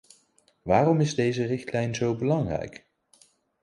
Waarom is deze richtlijn zo belangrijk?